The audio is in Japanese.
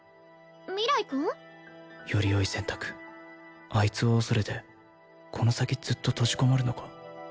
明日君？よりよい選択あいつを恐れてこの先ずっと閉じこもるのか？